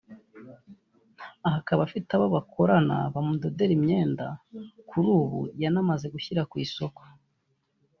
aha akaba afite abo bakorana bamudodera imyenda kuri ubu yanamaze gushyira ku isoko